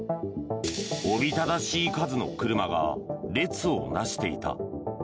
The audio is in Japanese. おびただしい数の車が列を成していた。